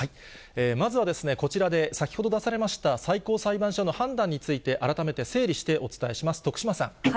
まずはこちらで先ほど出されました、最高裁判所の判断について改めて整理してお伝えします。